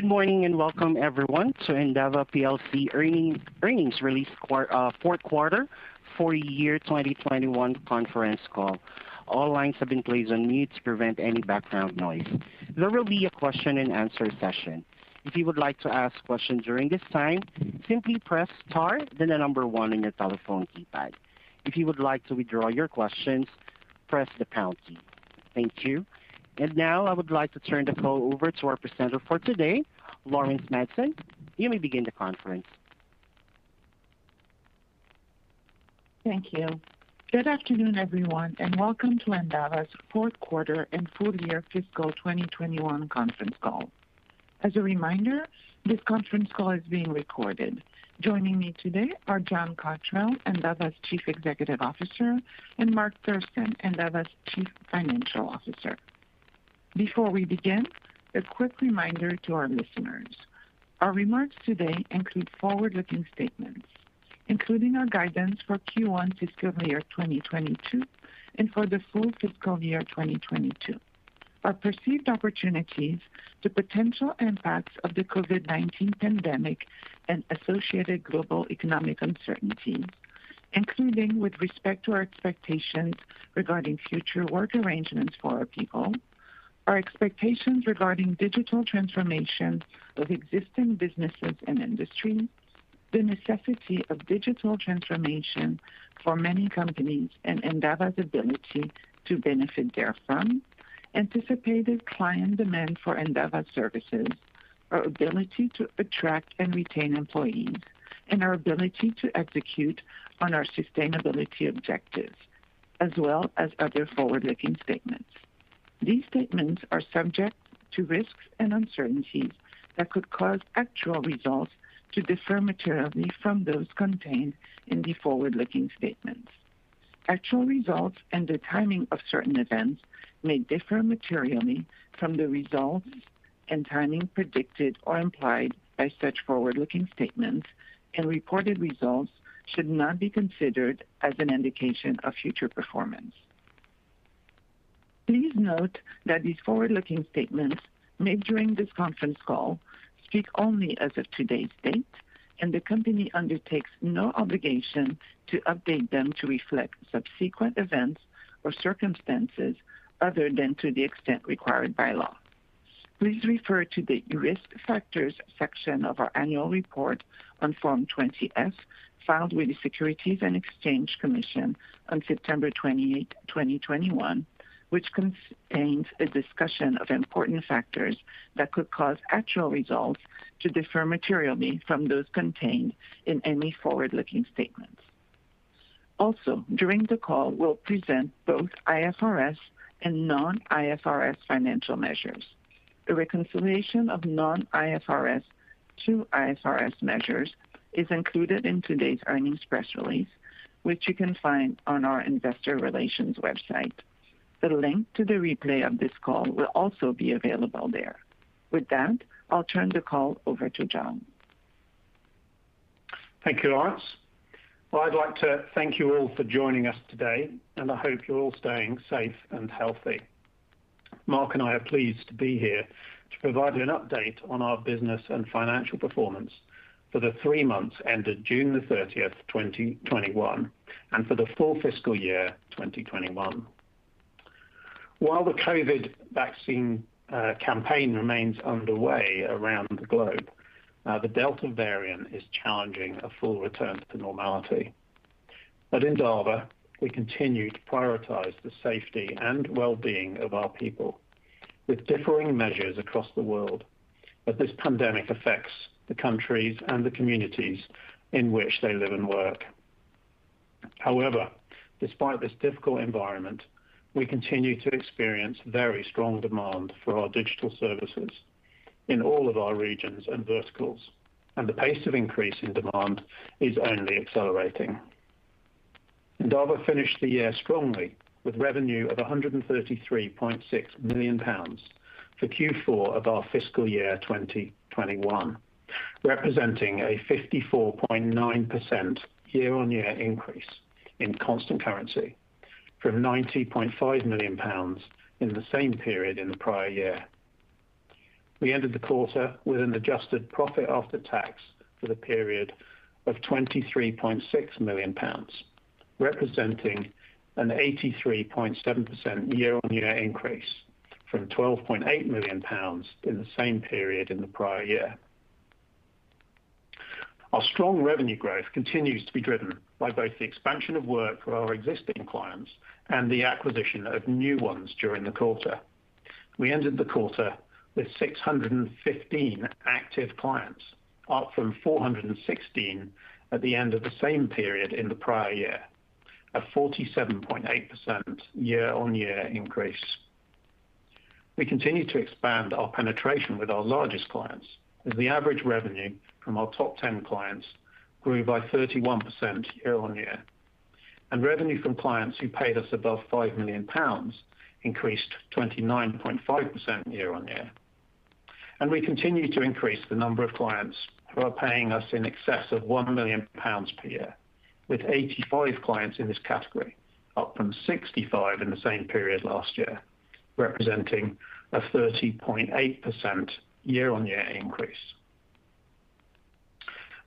Good morning, welcome, everyone, to Endava PLC Earnings Release Fourth Quarter, Full Year 2021 Conference Call. All lines have been placed on mute to prevent any background noise. There will be a question and answer session. If you would like to ask questions during this time, simply press star then the number one on your telephone keypad. If you would like to withdraw your questions, press the pound key. Thank you. Now I would like to turn the call over to our presenter for today, Laurence Madsen. You may begin the conference. Thank you. Good afternoon, everyone, and welcome to Endava's Fourth Quarter and Full Year Fiscal 2021 Conference Call. As a reminder, this conference call is being recorded. Joining me today are John Cotterell, Endava's Chief Executive Officer, and Mark Thurston, Endava's Chief Financial Officer. Before we begin, a quick reminder to our listeners. Our remarks today include forward-looking statements, including our guidance for Q1 fiscal year 2022, and for the full fiscal year 2022. Our perceived opportunities, the potential impacts of the COVID-19 pandemic and associated global economic uncertainty, including with respect to our expectations regarding future work arrangements for our people, our expectations regarding digital transformation of existing businesses and industries, the necessity of digital transformation for many companies and Endava's ability to benefit therefrom, anticipated client demand for Endava's services, our ability to attract and retain employees, and our ability to execute on our sustainability objectives, as well as other forward-looking statements. These statements are subject to risks and uncertainties that could cause actual results to differ materially from those contained in the forward-looking statements. Actual results and the timing of certain events may differ materially from the results and timing predicted or implied by such forward-looking statements, and reported results should not be considered as an indication of future performance. Please note that these forward-looking statements made during this conference call speak only as of today's date, and the company undertakes no obligation to update them to reflect subsequent events or circumstances other than to the extent required by law. Please refer to the Risk Factors section of our annual report on Form 20-F, filed with the Securities and Exchange Commission on September 28, 2021, which contains a discussion of important factors that could cause actual results to differ materially from those contained in any forward-looking statements. During the call, we'll present both IFRS and non-IFRS financial measures. A reconciliation of non-IFRS to IFRS measures is included in today's earnings press release, which you can find on our investor relations website. The link to the replay of this call will also be available there. With that, I'll turn the call over to John. Thank you, Laurence. I'd like to thank you all for joining us today, and I hope you're all staying safe and healthy. Mark and I are pleased to be here to provide you an update on our business and financial performance for the three months ended June 30, 2021, and for the full fiscal year 2021. While the COVID vaccine campaign remains underway around the globe, the Delta variant is challenging a full return to normality. At Endava, we continue to prioritize the safety and well-being of our people with differing measures across the world, as this pandemic affects the countries and the communities in which they live and work. Despite this difficult environment, we continue to experience very strong demand for our digital services in all of our regions and verticals, and the pace of increase in demand is only accelerating. Endava finished the year strongly with revenue of 133.6 million pounds for Q4 of our fiscal year 2021, representing a 54.9% year-on-year increase in constant currency from 90.5 million pounds in the same period in the prior year. We ended the quarter with an adjusted profit after tax for the period of 23.6 million pounds, representing an 83.7% year-on-year increase from 12.8 million pounds in the same period in the prior year. Our strong revenue growth continues to be driven by both the expansion of work for our existing clients and the acquisition of new ones during the quarter. We ended the quarter with 615 active clients, up from 416 at the end of the same period in the prior year, a 47.8% year-on-year increase. We continue to expand our penetration with our largest clients, as the average revenue from our top 10 clients grew by 31% year-on-year, and revenue from clients who paid us above 5 million pounds increased 29.5% year-on-year. We continue to increase the number of clients who are paying us in excess of 1 million pounds per year. With 85 clients in this category, up from 65 in the same period last year, representing a 30.8% year-on-year increase.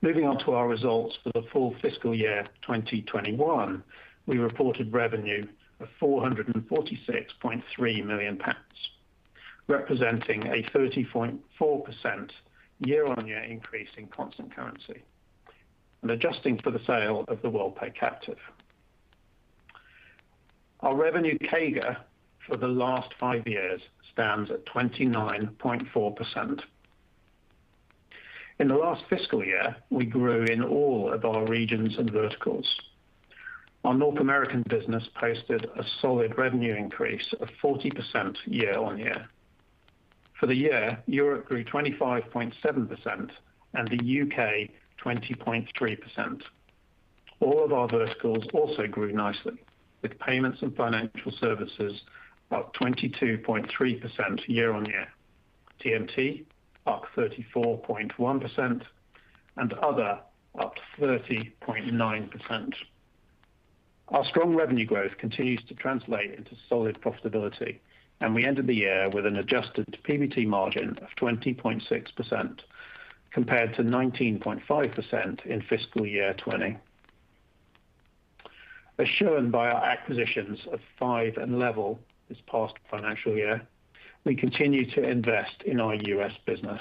Moving on to our results for the full fiscal year 2021, we reported revenue of 446.3 million pounds, representing a 30.4% year-on-year increase in constant currency and adjusting for the sale of the Worldpay captive. Our revenue CAGR for the last five years stands at 29.4%. In the last fiscal year, we grew in all of our regions and verticals. Our North American business posted a solid revenue increase of 40% year-on-year. For the year, Europe grew 25.7% and the U.K. 20.3%. All of our verticals also grew nicely, with payments and financial services up 22.3% year-on-year, TMT up 34.1%, and other up 30.9%. Our strong revenue growth continues to translate into solid profitability, and we ended the year with an adjusted PBT margin of 20.6%, compared to 19.5% in fiscal year 2020. As shown by our acquisitions of FIVE and Levvel this past financial year, we continue to invest in our U.S. business.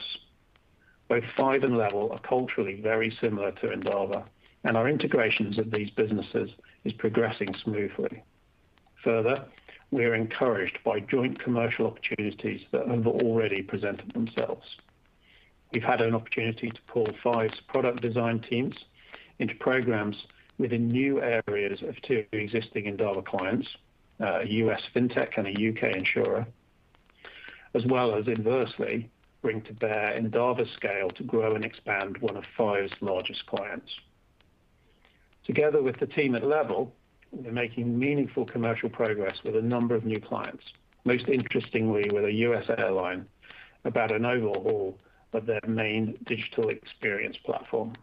Both FIVE and Levvel are culturally very similar to Endava, and our integrations of these businesses is progressing smoothly. Further, we are encouraged by joint commercial opportunities that have already presented themselves. We've had an opportunity to pull FIVE's product design teams into programs within new areas of two existing Endava clients, a U.S. fintech and a U.K. insurer, as well as inversely bring to bear Endava's scale to grow and expand one of FIVE's largest clients. Together with the team at Levvel, we're making meaningful commercial progress with a number of new clients, most interestingly with a U.S. airline about an overhaul of their main digital experience platform.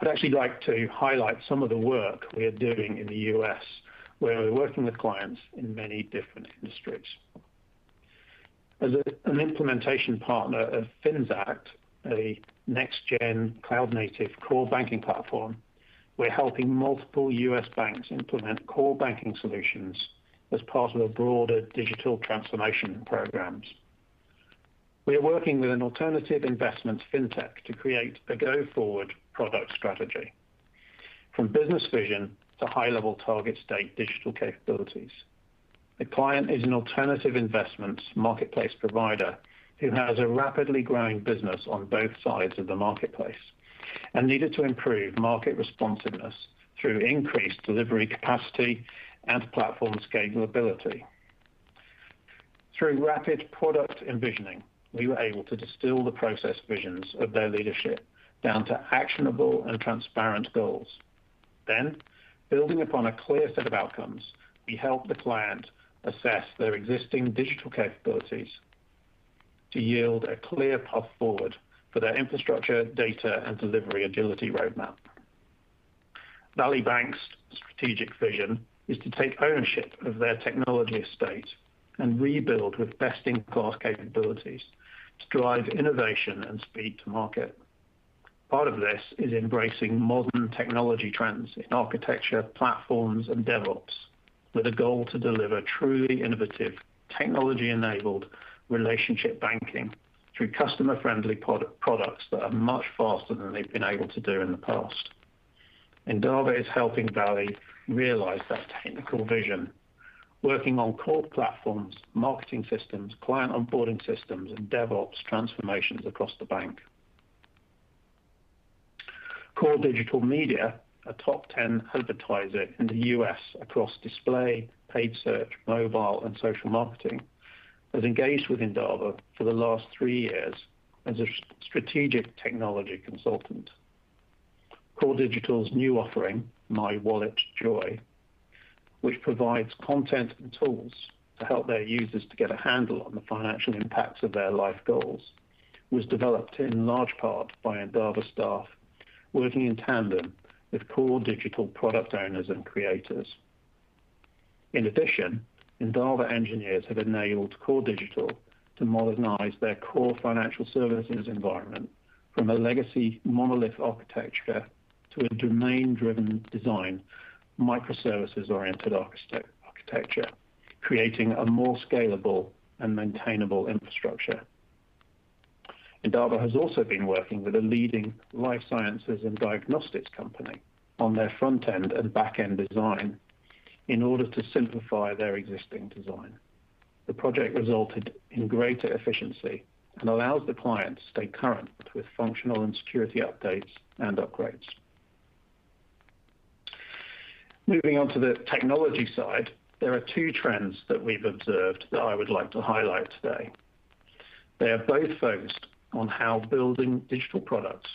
I'd actually like to highlight some of the work we are doing in the U.S., where we're working with clients in many different industries. As an implementation partner of Finxact, a next-gen cloud-native core banking platform, we're helping multiple U.S. banks implement core banking solutions as part of a broader digital transformation programs. We are working with an alternative investments fintech to create a go-forward product strategy, from business vision to high-level target state digital capabilities. The client is an alternative investments marketplace provider who has a rapidly growing business on both sides of the marketplace and needed to improve market responsiveness through increased delivery capacity and platform scalability. Through rapid product envisioning, we were able to distill the process visions of their leadership down to actionable and transparent goals. Building upon a clear set of outcomes, we helped the client assess their existing digital capabilities to yield a clear path forward for their infrastructure, data, and delivery agility roadmap. Valley Bank's strategic vision is to take ownership of their technology estate and rebuild with best-in-class capabilities to drive innovation and speed to market. Part of this is embracing modern technology trends in architecture, platforms, and DevOps with a goal to deliver truly innovative technology-enabled relationship banking through customer-friendly products that are much faster than they've been able to do in the past. Endava is helping Valley realize that technical vision, working on core platforms, marketing systems, client onboarding systems, and DevOps transformations across the bank. Core Digital Media, a top 10 advertiser in the U.S. across display, paid search, mobile, and social marketing, has engaged with Endava for the last three years as a strategic technology consultant. Core Digital's new offering, MyWalletJoy, which provides content and tools to help their users to get a handle on the financial impacts of their life goals, was developed in large part by Endava staff working in tandem with Core Digital product owners and creators. In addition, Endava engineers have enabled Core Digital to modernize their core financial services environment from a legacy monolith architecture to a domain-driven design, microservices-oriented architecture, creating a more scalable and maintainable infrastructure. Endava has also been working with a leading life sciences and diagnostics company on their front end and back end design in order to simplify their existing design. The project resulted in greater efficiency and allows the client to stay current with functional and security updates and upgrades. Moving on to the technology side, there are two trends that we've observed that I would like to highlight today. They are both focused on how building digital products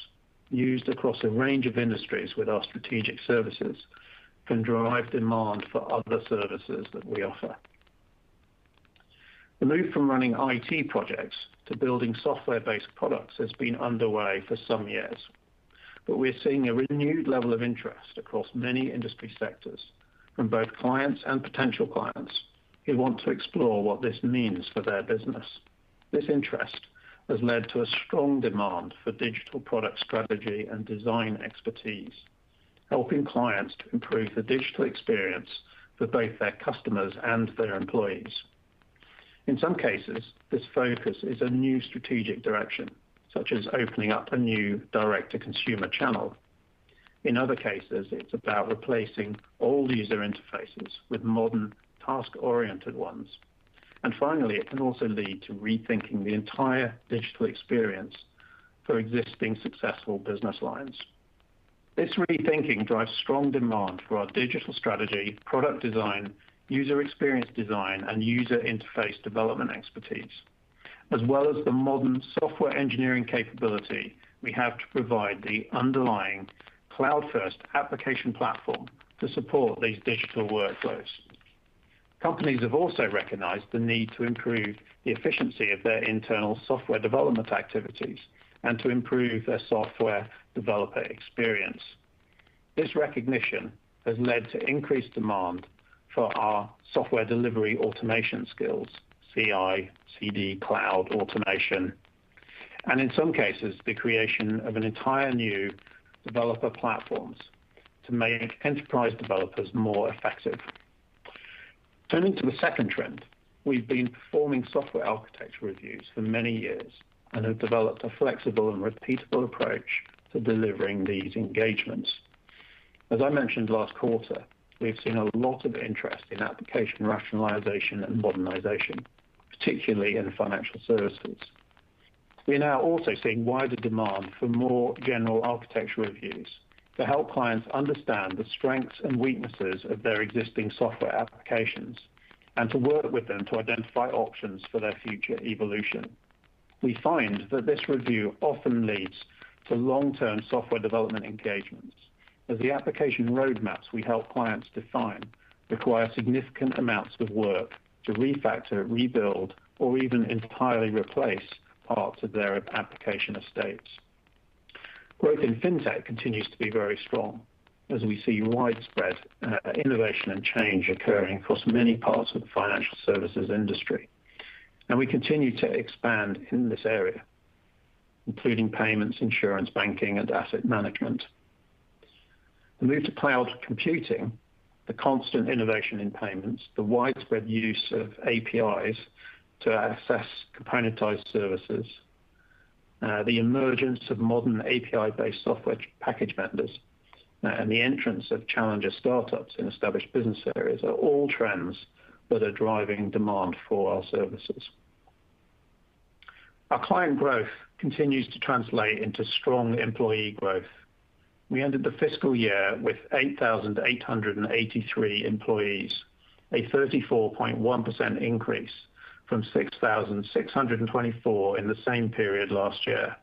used across a range of industries with our strategic services can drive demand for other services that we offer. The move from running IT projects to building software-based products has been underway for some years. We're seeing a renewed level of interest across many industry sectors from both clients and potential clients who want to explore what this means for their business. This interest has led to a strong demand for digital product strategy and design expertise, helping clients to improve the digital experience for both their customers and their employees. In some cases, this focus is a new strategic direction, such as opening up a new direct-to-consumer channel. In other cases, it's about replacing old user interfaces with modern task-oriented ones. Finally, it can also lead to rethinking the entire digital experience for existing successful business lines. This rethinking drives strong demand for our digital strategy, product design, user experience design, and user interface development expertise. As well as the modern software engineering capability we have to provide the underlying cloud-first application platform to support these digital workflows. Companies have also recognized the need to improve the efficiency of their internal software development activities and to improve their software developer experience. This recognition has led to increased demand for our software delivery automation skills, CI/CD cloud automation, and in some cases, the creation of an entire new developer platforms to make enterprise developers more effective. Turning to the second trend, we've been performing software architecture reviews for many years and have developed a flexible and repeatable approach to delivering these engagements. As I mentioned last quarter, we've seen a lot of interest in application rationalization and modernization, particularly in financial services. We are now also seeing wider demand for more general architecture reviews to help clients understand the strengths and weaknesses of their existing software applications and to work with them to identify options for their future evolution. We find that this review often leads to long-term software development engagements as the application roadmaps we help clients define require significant amounts of work to refactor, rebuild, or even entirely replace parts of their application estates. Work in fintech continues to be very strong as we see widespread innovation and change occurring across many parts of the financial services industry. We continue to expand in this area, including payments, insurance, banking, and asset management. The move to cloud computing, the constant innovation in payments, the widespread use of APIs to access componentized services, the emergence of modern API-based software package vendors, and the entrance of challenger startups in established business areas are all trends that are driving demand for our services. Our client growth continues to translate into strong employee growth. We ended the fiscal year with 8,883 employees, a 34.1% increase from 6,624 in the same period last year.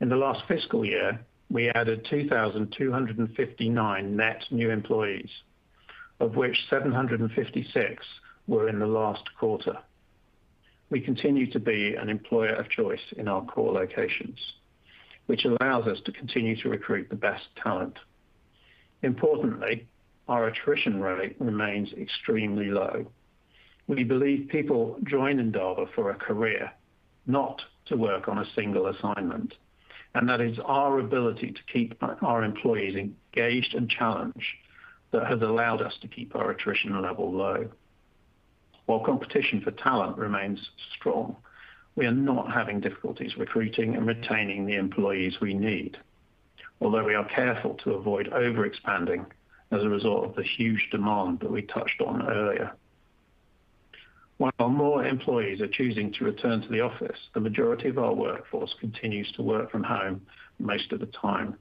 In the last fiscal year, we added 2,259 net new employees, of which 756 were in the last quarter. We continue to be an employer of choice in our core locations, which allows us to continue to recruit the best talent. Importantly, our attrition rate remains extremely low. We believe people join Endava for a career, not to work on a single assignment, and that is our ability to keep our employees engaged and challenged that has allowed us to keep our attrition level low. While competition for talent remains strong, we are not having difficulties recruiting and retaining the employees we need, although we are careful to avoid overexpanding as a result of the huge demand that we touched on earlier. While more employees are choosing to return to the office, the majority of our workforce continues to work from home most of the time.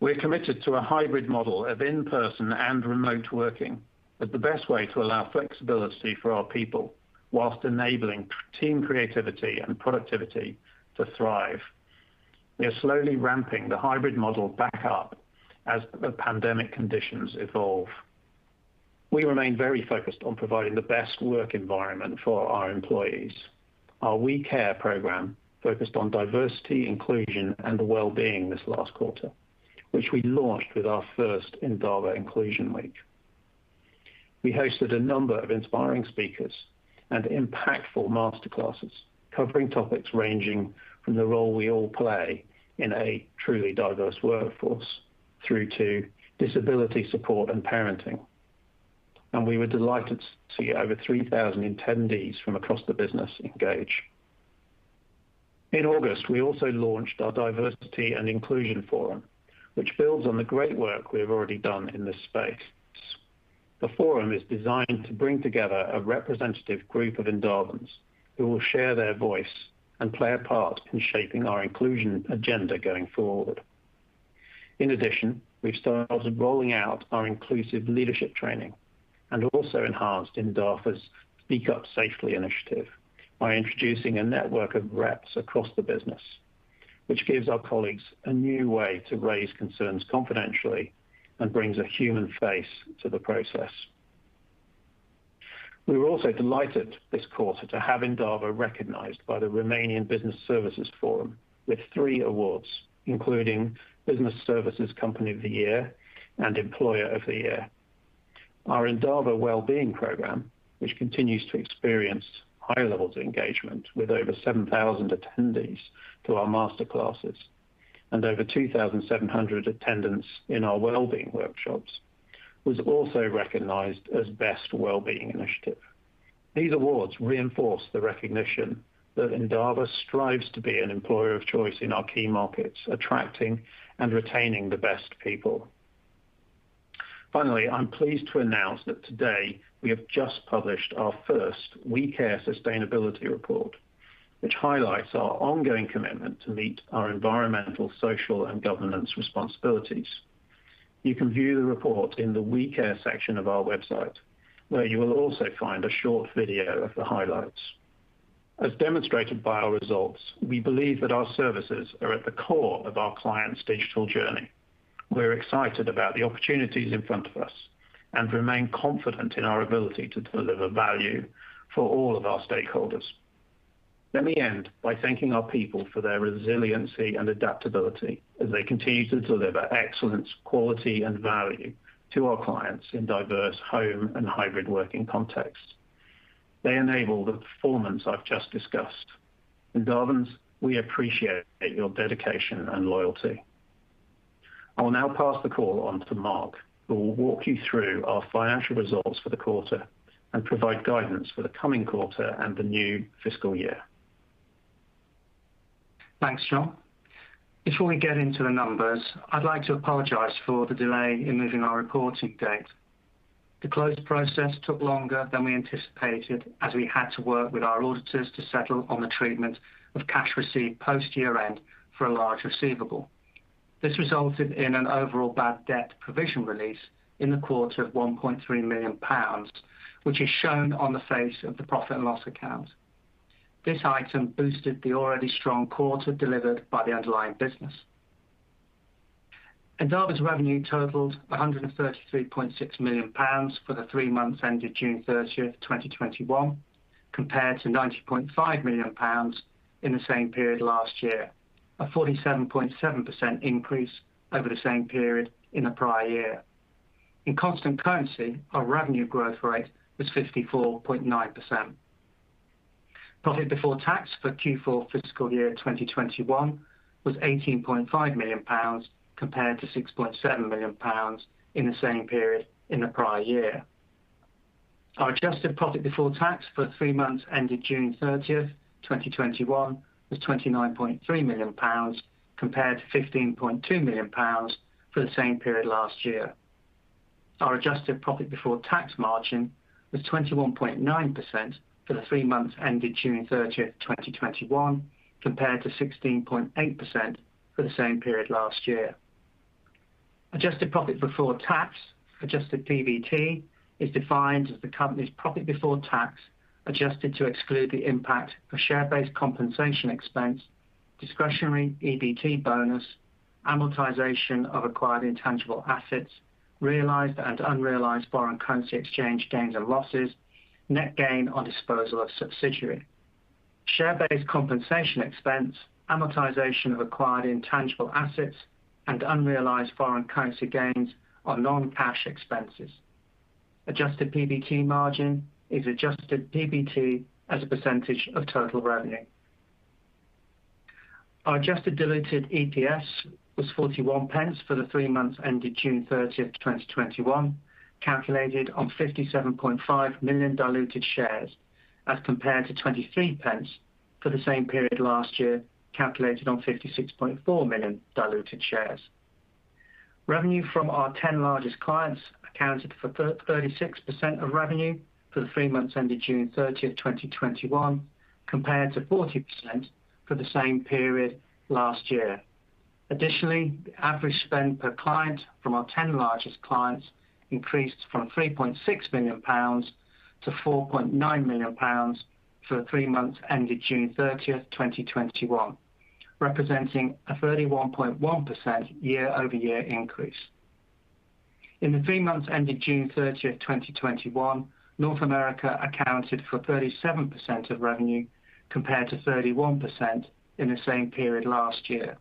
We're committed to a hybrid model of in-person and remote working as the best way to allow flexibility for our people while enabling team creativity and productivity to thrive. We are slowly ramping the hybrid model back up as the pandemic conditions evolve. We remain very focused on providing the best work environment for our employees. Our We Care program focused on diversity, inclusion, and well-being this last quarter, which we launched with our first Endava Inclusion Week. We hosted a number of inspiring speakers and impactful master classes covering topics ranging from the role we all play in a truly diverse workforce through to disability support and parenting. We were delighted to see over 3,000 attendees from across the business engage. In August, we also launched our Diversity and Inclusion Forum, which builds on the great work we have already done in this space. The forum is designed to bring together a representative group of Endavans who will share their voice and play a part in shaping our inclusion agenda going forward. In addition, we've started rolling out our inclusive leadership training and also enhanced Endava's Speak Up Safely initiative by introducing a network of reps across the business, which gives our colleagues a new way to raise concerns confidentially and brings a human face to the process. We were also delighted this quarter to have Endava recognized by the Romanian Business Services Forum with three awards, including Business Services Company of the Year and Employer of the Year. Our Endava Wellbeing program, which continues to experience high levels of engagement with over 7,000 attendees to our master classes and over 2,700 attendance in our wellbeing workshops, was also recognized as Best Wellbeing Initiative. These awards reinforce the recognition that Endava strives to be an employer of choice in our key markets, attracting and retaining the best people. Finally, I'm pleased to announce that today we have just published our first We Care Sustainability Report, which highlights our ongoing commitment to meet our environmental, social, and governance responsibilities. You can view the report in the We Care section of our website, where you will also find a short video of the highlights. As demonstrated by our results, we believe that our services are at the core of our clients' digital journey. We're excited about the opportunities in front of us and remain confident in our ability to deliver value for all of our stakeholders. Let me end by thanking our people for their resiliency and adaptability as they continue to deliver excellence, quality, and value to our clients in diverse home and hybrid working contexts. They enable the performance I've just discussed. Endavans, we appreciate your dedication and loyalty. I will now pass the call on to Mark, who will walk you through our financial results for the quarter and provide guidance for the coming quarter and the new fiscal year. Thanks, John. Before we get into the numbers, I'd like to apologize for the delay in moving our reporting date. The closed process took longer than we anticipated as we had to work with our auditors to settle on the treatment of cash received post year-end for a large receivable. This resulted in an overall bad debt provision release in the quarter of 1.3 million pounds, which is shown on the face of the profit and loss account. This item boosted the already strong quarter delivered by the underlying business. Endava's revenue totaled 133.6 million pounds for the three months ended June 30th, 2021, compared to 90.5 million pounds in the same period last year, a 47.7% increase over the same period in the prior year. In constant currency, our revenue growth rate was 54.9%. Profit before tax for Q4 fiscal year 2021 was 18.5 million pounds compared to 6.7 million pounds in the same period in the prior year. Our adjusted profit before tax for three months ended June 30, 2021, was GBP 29.3 million compared to GBP 15.2 million for the same period last year. Our adjusted profit before tax margin was 21.9% for the three months ended June 30, 2021, compared to 16.8% for the same period last year. Adjusted profit before tax, adjusted PBT, is defined as the company's profit before tax, adjusted to exclude the impact of share-based compensation expense, discretionary EBT bonus, amortization of acquired intangible assets, realized and unrealized foreign currency exchange gains and losses, net gain on disposal of subsidiary. Share-based compensation expense, amortization of acquired intangible assets, and unrealized foreign currency gains are non-cash expenses. Adjusted PBT margin is adjusted PBT as a percentage of total revenue. Our adjusted diluted EPS was 0.41 for the three months ended June 30th, 2021, calculated on 57.5 million diluted shares as compared to 0.23 for the same period last year, calculated on 56.4 million diluted shares. Revenue from our 10 largest clients accounted for 36% of revenue for the three months ended June 30th, 2021, compared to 40% for the same period last year. Additionally, the average spend per client from our 10 largest clients increased from 3.6 million pounds to 4.9 million pounds for the three months ended June 30th, 2021, representing a 31.1% year-over-year increase. In the three months ended June 30th, 2021, North America accounted for 37% of revenue, compared to 31% in the same period last year.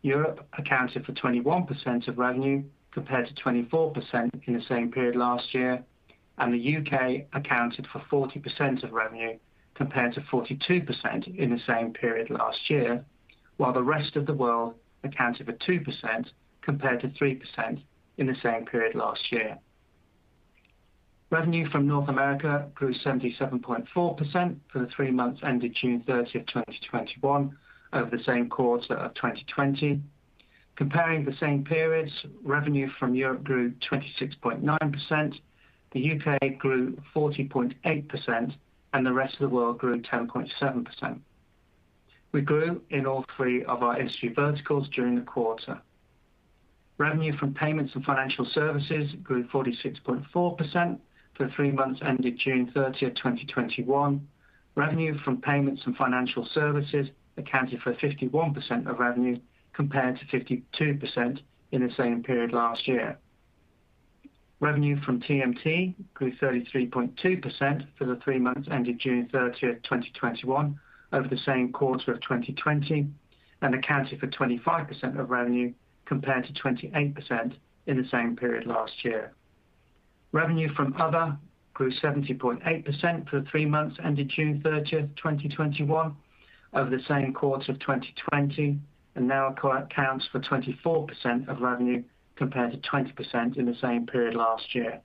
Europe accounted for 21% of revenue, compared to 24% in the same period last year. The U.K. accounted for 40% of revenue, compared to 42% in the same period last year. While the rest of the world accounted for 2%, compared to 3% in the same period last year. Revenue from North America grew 77.4% for the three months ended June 30th, 2021, over the same quarter of 2020. Comparing the same periods, revenue from Europe grew 26.9%, the U.K. grew 40.8%, and the rest of the world grew 10.7%. We grew in all three of our industry verticals during the quarter. Revenue from payments and financial services grew 46.4% for the three months ended June 30th, 2021. Revenue from payments and financial services accounted for 51% of revenue, compared to 52% in the same period last year. Revenue from TMT grew 33.2% for the three months ended June 30th, 2021 over the same quarter of 2020, and accounted for 25% of revenue, compared to 28% in the same period last year. Revenue from other grew 70.8% for the three months ended June 30th, 2021 over the same quarter of 2020, and now accounts for 24% of revenue, compared to 20% in the same period last year.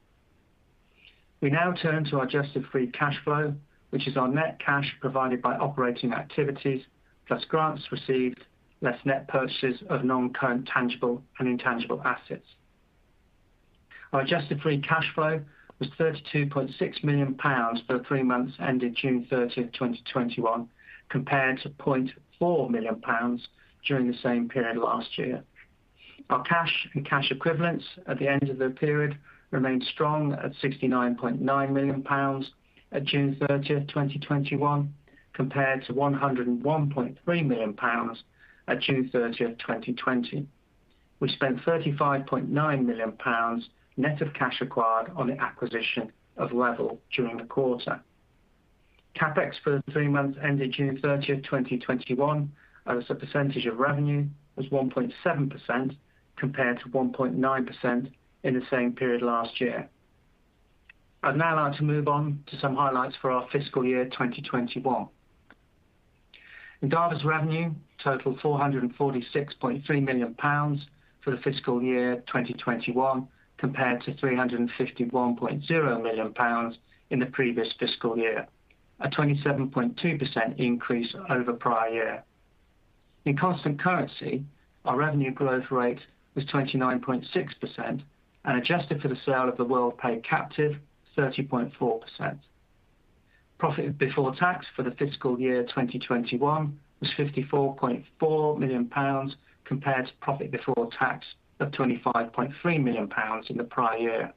We now turn to our adjusted free cash flow, which is our net cash provided by operating activities, plus grants received, less net purchases of non-current tangible and intangible assets. Our adjusted free cash flow was 32.6 million pounds for the three months ended June 30th, 2021, compared to 0.4 million pounds during the same period last year. Our cash and cash equivalents at the end of the period remained strong at 69.9 million pounds at June 30, 2021, compared to 101.3 million pounds at June 30, 2020. We spent 35.9 million pounds net of cash acquired on the acquisition of Levvel during the quarter. CapEx for the three months ended June 30, 2021, as a percentage of revenue, was 1.7% compared to 1.9% in the same period last year. I'd now like to move on to some highlights for our fiscal year 2021. Endava's revenue totaled 446.3 million pounds for the fiscal year 2021, compared to 351.0 million pounds in the previous fiscal year, a 27.2% increase over prior year. In constant currency, our revenue growth rate was 29.6%, and adjusted for the sale of the Worldpay captive, 30.4%. Profit before tax for the fiscal year 2021 was 54.4 million pounds, compared to profit before tax of 25.3 million pounds in the prior year.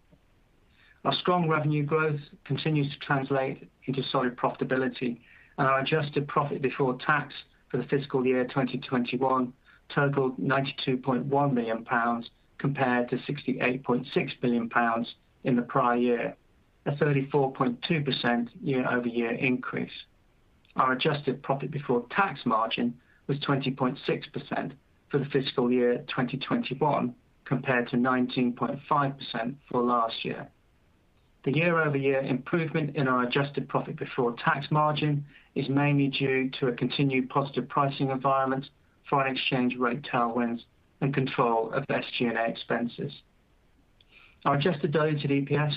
Our strong revenue growth continues to translate into solid profitability. Our adjusted profit before tax for the fiscal year 2021 totaled 92.1 million pounds, compared to 68.6 million pounds in the prior year, a 34.2% year-over-year increase. Our adjusted profit before tax margin was 20.6% for the fiscal year 2021, compared to 19.5% for last year. The year-over-year improvement in our adjusted profit before tax margin is mainly due to a continued positive pricing environment, foreign exchange rate tailwinds, and control of SG&A expenses. Our adjusted diluted EPS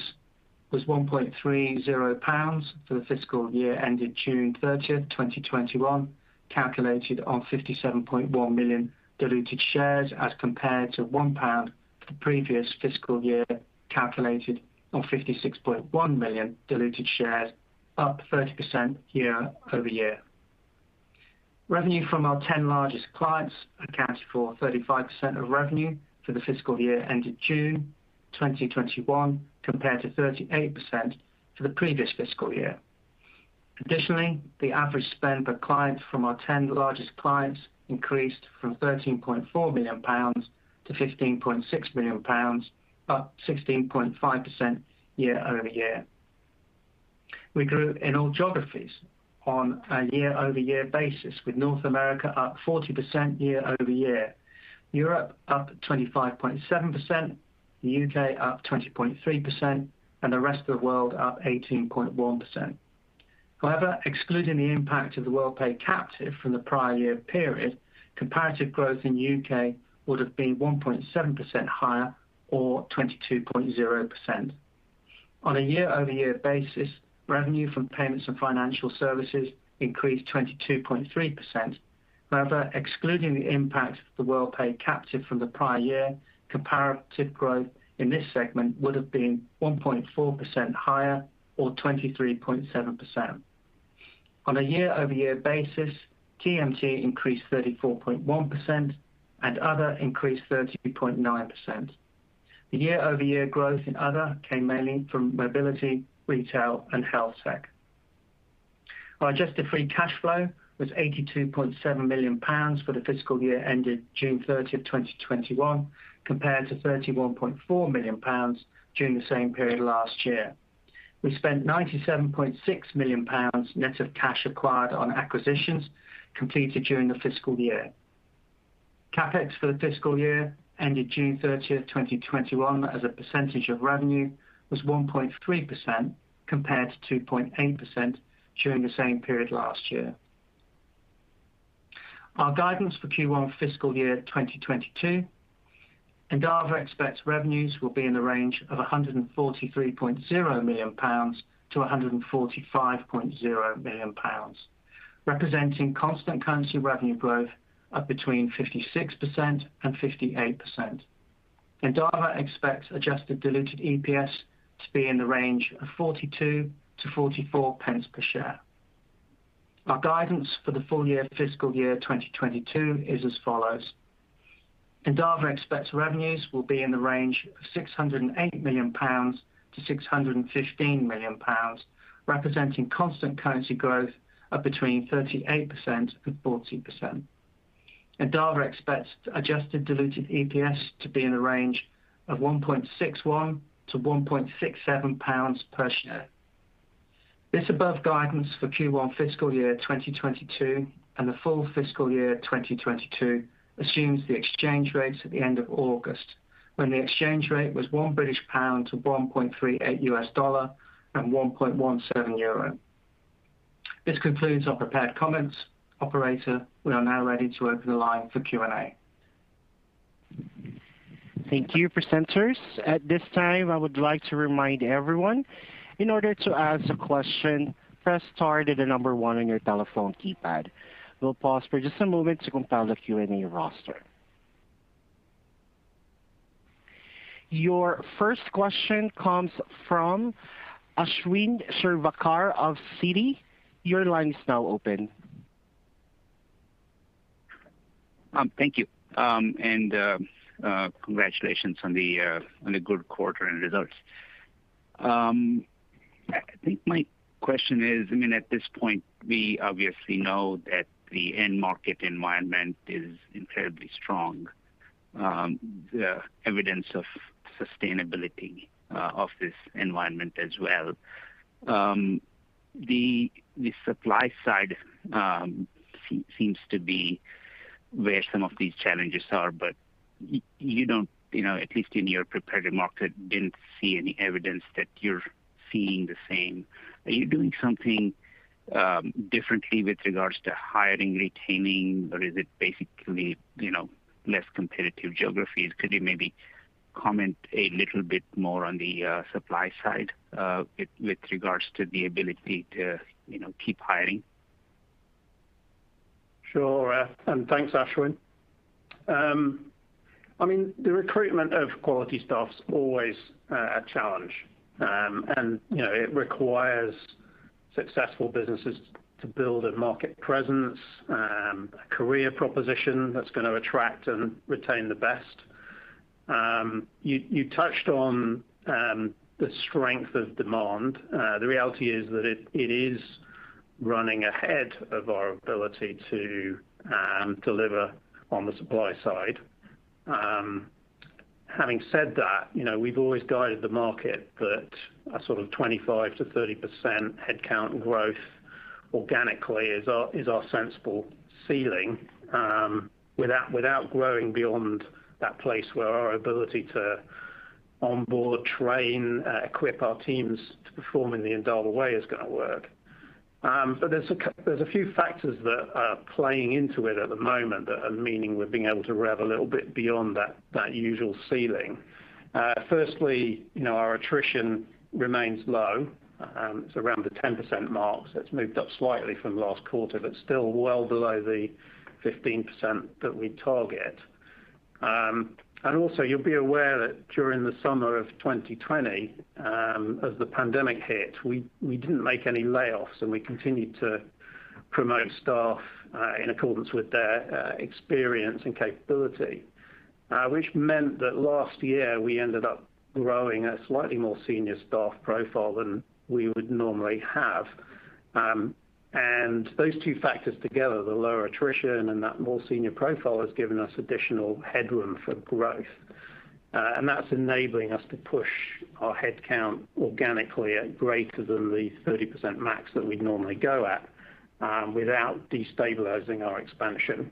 was 1.30 pounds for the fiscal year ended June 30th, 2021, calculated on 57.1 million diluted shares as compared to 1 pound for the previous fiscal year, calculated on 56.1 million diluted shares, up 30% year-over-year. Revenue from our 10 largest clients accounted for 35% of revenue for the fiscal year ended June 2021, compared to 38% for the previous fiscal year. Additionally, the average spend per client from our 10 largest clients increased from 13.4 million pounds to 15.6 million pounds, up 16.5% year-over-year. We grew in all geographies on a year-over-year basis, with North America up 40% year-over-year, Europe up 25.7%, the U.K. up 20.3%, and the rest of the world up 18.1%. However, excluding the impact of the Worldpay captive from the prior year period, comparative growth in the U.K. would have been 1.7% higher, or 22.0%. On a year-over-year basis, revenue from payments and financial services increased 22.3%. However, excluding the impact of the Worldpay captive from the prior year, comparative growth in this segment would have been 1.4% higher, or 23.7%. On a year-over-year basis, TMT increased 34.1%, and other increased 30.9%. The year-over-year growth in other came mainly from mobility, retail, and health tech. Our adjusted free cash flow was 82.7 million pounds for the fiscal year ended June 30th, 2021, compared to 31.4 million pounds during the same period last year. We spent 97.6 million pounds net of cash acquired on acquisitions completed during the fiscal year. CapEx for the fiscal year ended June 30th, 2021, as a percentage of revenue, was 1.3%, compared to 2.8% during the same period last year. Our guidance for Q1 fiscal year 2022, Endava expects revenues will be in the range of 143.0 million-145.0 million pounds, representing constant currency revenue growth of between 56%-58%. Endava expects adjusted diluted EPS to be in the range of 0.42-0.44 per share. Our guidance for the full fiscal year 2022 is as follows. Endava expects revenues will be in the range of 608 million-615 million pounds, representing constant currency growth of between 38% and 40%. Endava expects adjusted diluted EPS to be in the range of 1.61-1.67 pounds per share. This above guidance for Q1 fiscal year 2022 and the full fiscal year 2022 assumes the exchange rates at the end of August, when the exchange rate was 1 British pound to $1.38 and 1.17 euro. This concludes our prepared comments. Operator, we are now ready to open the line for Q&A. Thank you, presenters. At this time, I would like to remind everyone, in order to ask a question, press star, then the number one on your telephone keypad. We'll pause for just a moment to compile the Q&A roster. Your first question comes from Ashwin Shirvaikar of Citi. Your line is now open. Thank you. Congratulations on the good quarter-end results. I think my question is, at this point, we obviously know that the end market environment is incredibly strong. The evidence of sustainability of this environment as well. The supply side seems to be where some of these challenges are, but you don't, at least in your prepared remarks, I didn't see any evidence that you're seeing the same. Are you doing something differently with regards to hiring, retaining, or is it basically less competitive geographies? Could you maybe comment a little bit more on the supply side with regards to the ability to keep hiring? Sure. Thanks, Ashwin. The recruitment of quality staff is always a challenge. It requires successful businesses to build a market presence, a career proposition that's going to attract and retain the best. You touched on the strength of demand. The reality is that it is running ahead of our ability to deliver on the supply side. Having said that, we've always guided the market that a sort of 25%-30% headcount growth organically is our sensible ceiling without growing beyond that place where our ability to onboard, train, equip our teams to perform in the Endava way is going to work. There's a few factors that are playing into it at the moment that are meaning we're being able to rev a little bit beyond that usual ceiling. Firstly, our attrition remains low. It's around the 10% mark. It's moved up slightly from last quarter, but still well below the 15% that we target. Also, you'll be aware that during the summer of 2020, as the pandemic hit, we didn't make any layoffs, and we continued to promote staff in accordance with their experience and capability. Which meant that last year, we ended up growing a slightly more senior staff profile than we would normally have. Those two factors together, the lower attrition and that more senior profile, has given us additional headroom for growth. That's enabling us to push our headcount organically at greater than the 30% max that we'd normally go at without destabilizing our expansion.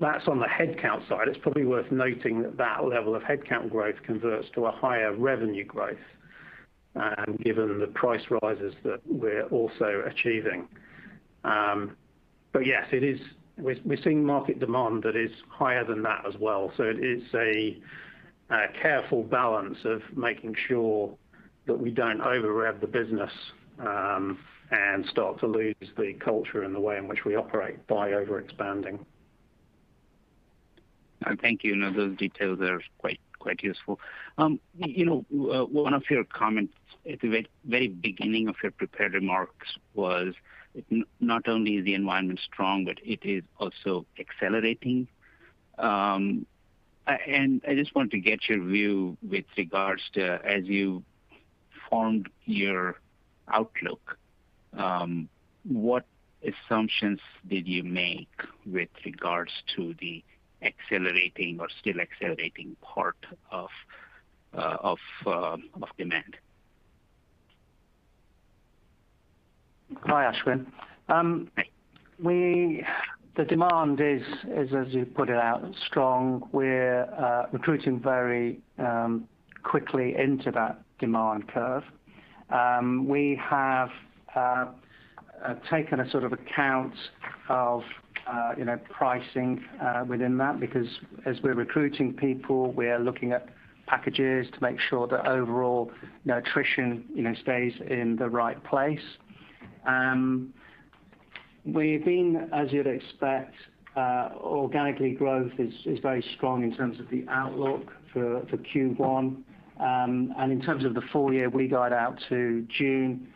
That's on the headcount side. It's probably worth noting that that level of headcount growth converts to a higher revenue growth given the price rises that we're also achieving. Yes, we're seeing market demand that is higher than that as well. It is a careful balance of making sure that we don't over rev the business and start to lose the culture and the way in which we operate by over expanding. Thank you. Those details are quite useful. One of your comments at the very beginning of your prepared remarks was, not only is the environment strong, but it is also accelerating. I just want to get your view with regards to as you formed your outlook. What assumptions did you make with regards to the accelerating or still accelerating part of demand? Hi, Ashwin. The demand is, as you put it out, strong. We're recruiting very quickly into that demand curve. We have taken a sort of account of pricing within that, because as we're recruiting people, we are looking at packages to make sure that overall attrition stays in the right place. We've been, as you'd expect, organically growth is very strong in terms of the outlook for Q1. In terms of the full year, we guide out to June.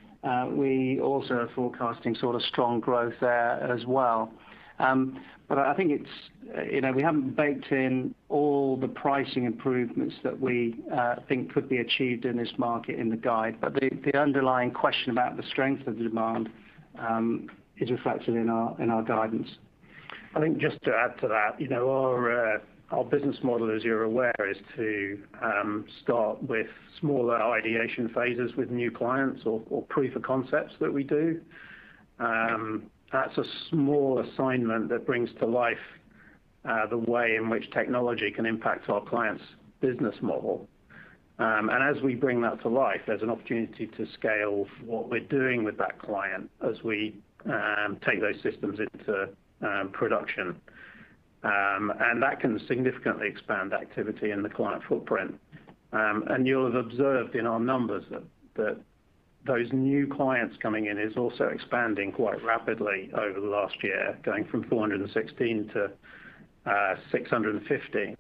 We also are forecasting strong growth there as well. I think we haven't baked in all the pricing improvements that we think could be achieved in this market in the guide. The underlying question about the strength of the demand is reflected in our guidance. I think just to add to that, our business model, as you're aware, is to start with smaller ideation phases with new clients or proof of concepts that we do. That's a small assignment that brings to life the way in which technology can impact our client's business model. As we bring that to life, there's an opportunity to scale what we're doing with that client as we take those systems into production. That can significantly expand activity in the client footprint. You'll have observed in our numbers that those new clients coming in is also expanding quite rapidly over the last year, going from 416 to 615.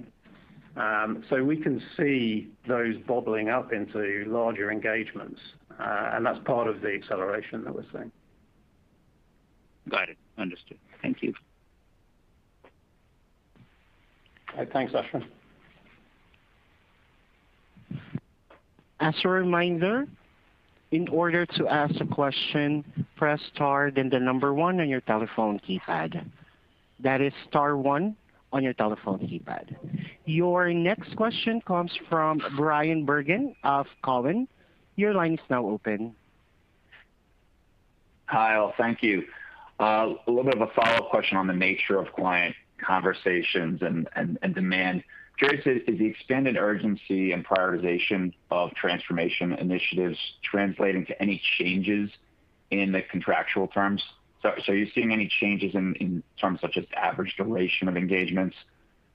We can see those bubbling up into larger engagements. That's part of the acceleration that we're seeing. Got it. Understood. Thank you. Thanks, Ashwin. As a reminder, in order to ask a question, press star then the number one on your telephone keypad. That is star one on your telephone keypad. Your next question comes from Bryan Bergin of Cowen. Your line is now open. Kyle, thank you. A little bit of a follow-up question on the nature of client conversations and demand. Curious if the expanded urgency and prioritization of transformation initiatives translating to any changes in the contractual terms. Are you seeing any changes in terms such as average duration of engagements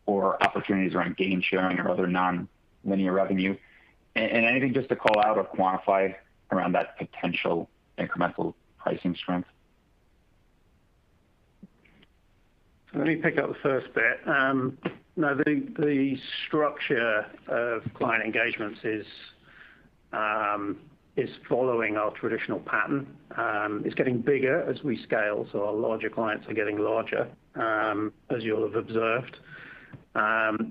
or opportunities around gain sharing or other non-linear revenue? Anything just to call out or quantify around that potential incremental pricing strength? Let me pick up the first bit. No, the structure of client engagements is following our traditional pattern. It's getting bigger as we scale, so our larger clients are getting larger, as you'll have observed.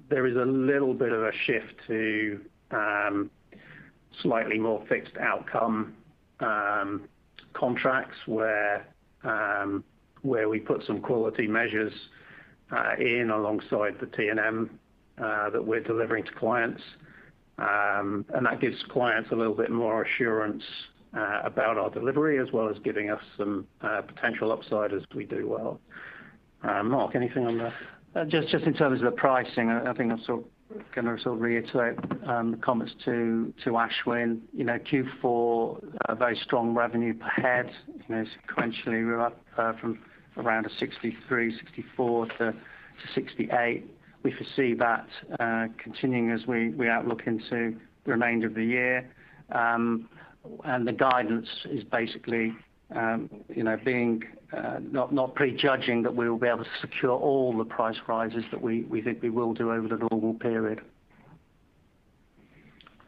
There is a little bit of a shift to slightly more fixed outcome contracts, where we put some quality measures in alongside the T&M that we're delivering to clients. That gives clients a little bit more assurance about our delivery, as well as giving us some potential upside as we do well. Mark, anything on that? Just in terms of the pricing, I think I'm going to sort of reiterate the comments to Ashwin Shirvaikar. Q4, a very strong revenue per head. Sequentially, we're up from around a 63, 64 to 68. We foresee that continuing as we outlook into the remainder of the year. The guidance is basically being not prejudging that we will be able to secure all the price rises that we think we will do over the normal period.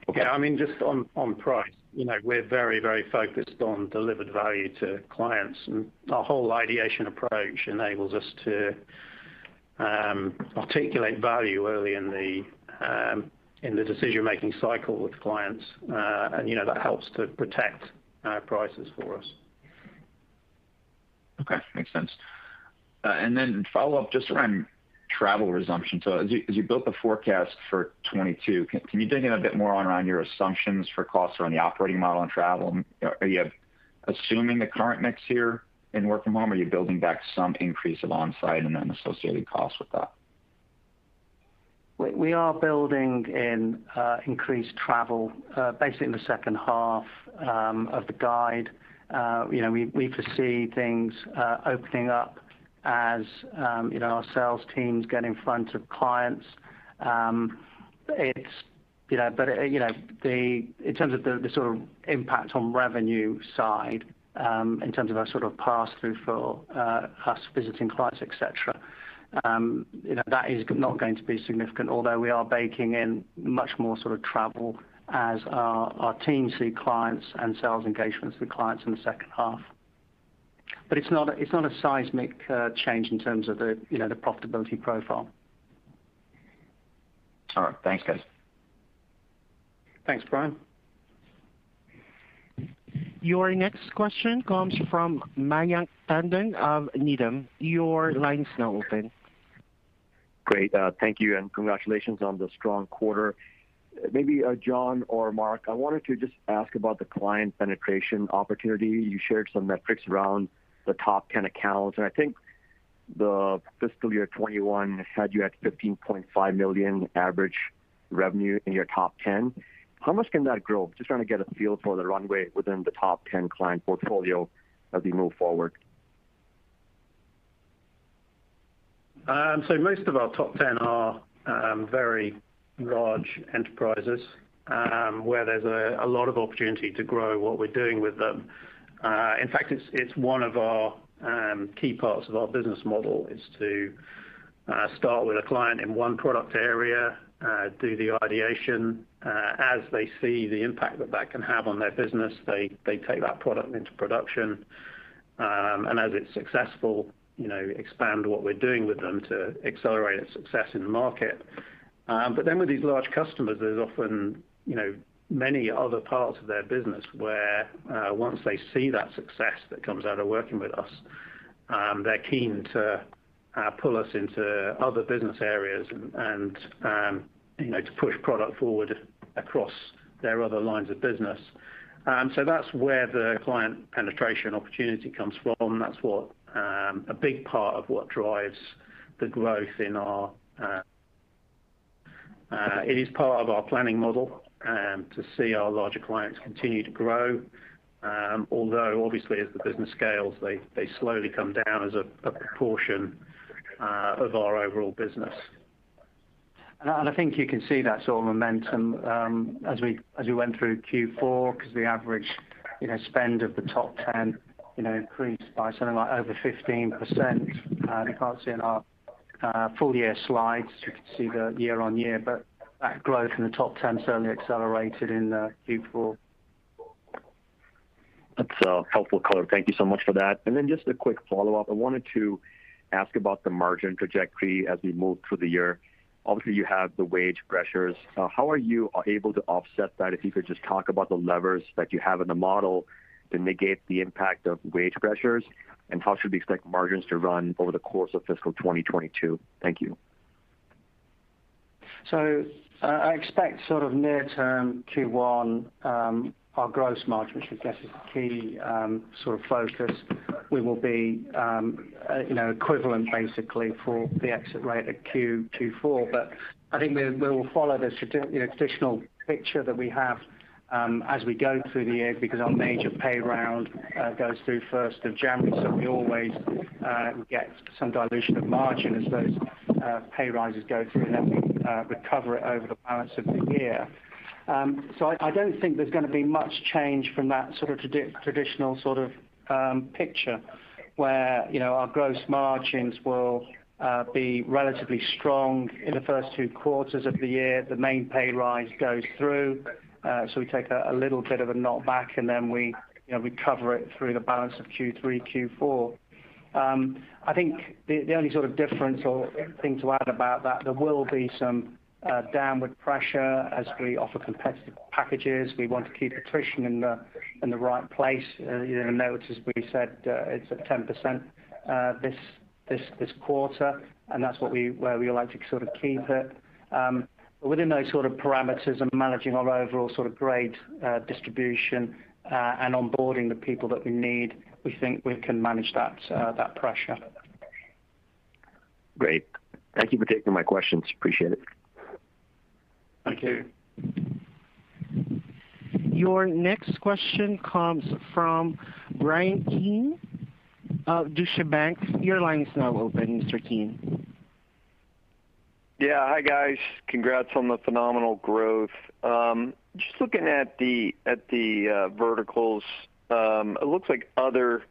Okay. Just on price, we're very focused on delivered value to clients, and our whole ideation approach enables us to articulate value early in the decision-making cycle with clients. That helps to protect prices for us. Okay. Makes sense. Then follow up just around travel resumption. As you built the forecast for 2022, can you dig in a bit more around your assumptions for costs around the operating model and travel? Are you assuming the current mix here in work from home, or are you building back some increase of onsite and then associated costs with that? We are building in increased travel, basically in the second half of the guide. We foresee things opening up as our sales teams get in front of clients. In terms of the sort of impact on revenue side, in terms of our sort of pass-through for us visiting clients, et cetera, that is not going to be significant, although we are baking in much more sort of travel as our teams see clients and sales engagements with clients in the second half. It's not a seismic change in terms of the profitability profile. All right. Thanks, guys. Thanks, Bryan. Your next question comes from Mayank Tandon of Needham. Your line is now open. Great. Thank you. Congratulations on the strong quarter. Maybe John or Mark, I wanted to just ask about the client penetration opportunity. You shared some metrics around the top 10 accounts, and I think the fiscal year 2021 had you at 15.5 million average revenue in your top 10. How much can that grow? Just trying to get a feel for the runway within the top 10 client portfolio as we move forward. Most of our top 10 are very large enterprises, where there's a lot of opportunity to grow what we're doing with them. In fact, it's one of our key parts of our business model, is to start with a client in one product area, do the ideation. As they see the impact that that can have on their business, they take that product into production, and as it's successful, expand what we're doing with them to accelerate its success in the market. With these large customers, there's often many other parts of their business where, once they see that success that comes out of working with us, they're keen to pull us into other business areas and to push product forward across their other lines of business. That's where the client penetration opportunity comes from. That's what a big part of what drives the growth. It is part of our planning model to see our larger clients continue to grow. Although obviously as the business scales, they slowly come down as a proportion of our overall business. I think you can see that sort of momentum as we went through Q4, because the average spend of the top 10 increased by something like over 15%. You can't see it in our full-year slides. You can see the year-on-year, but that growth in the top 10 certainly accelerated in Q4. That's a helpful color. Thank you so much for that. Just a quick follow-up. I wanted to ask about the margin trajectory as we move through the year. Obviously, you have the wage pressures. How are you able to offset that? If you could just talk about the levers that you have in the model to mitigate the impact of wage pressures, and how should we expect margins to run over the course of fiscal 2022? Thank you. I expect sort of near term Q1 our gross margin, which I guess is the key sort of focus. We will be equivalent basically for the exit rate at Q4. I think we will follow the traditional picture that we have as we go through the year because our major pay round goes through 1st of January, so we always get some dilution of margin as those pay rises go through, and then we recover it over the balance of the year. I don't think there's going to be much change from that sort of traditional sort of picture where our gross margins will be relatively strong in the first two quarters of the year. The main pay rise goes through, so we take a little bit of a knock back, and then we recover it through the balance of Q3, Q4. I think the only sort of difference or thing to add about that, there will be some downward pressure as we offer competitive packages. We want to keep attrition in the right place. You know, which as we said, it's at 10% this quarter. That's where we like to sort of keep it. Within those sort of parameters and managing our overall sort of grade distribution, and onboarding the people that we need, we think we can manage that pressure. Great. Thank you for taking my questions. Appreciate it. Thank you. Your next question comes from Bryan Keane of Deutsche Bank. Your line is now open, Mr. Keane. Yeah. Hi, guys. Congrats on the phenomenal growth. Just looking at the verticals. It looks like other